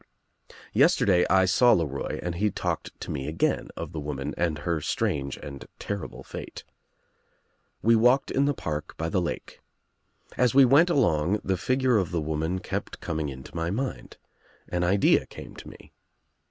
*«* Yesterday I saw LeRoy and he talked to me again of the woman and her strange and terrible fate. We walked in the park by the lake. As we went along the figure of the woman kept coming into my mind. An idea came to me.